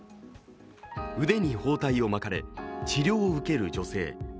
腕に包帯を巻かれ、治療を受ける女性。